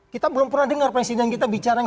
kita belum pernah dengar presiden kita bicara yang